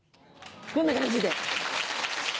こんな感じで。